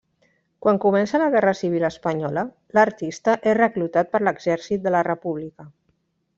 Quan comença la Guerra Civil Espanyola l'artista és reclutat per l'exèrcit de la República.